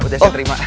udah saya terima